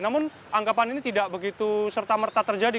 namun anggapan ini tidak begitu serta merta terjadi